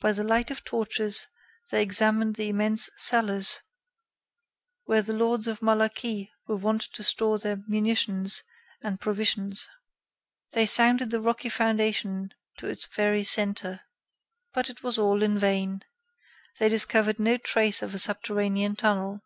By the light of torches, they examined the immense cellars where the lords of Malaquis were wont to store their munitions and provisions. They sounded the rocky foundation to its very centre. But it was all in vain. They discovered no trace of a subterranean tunnel.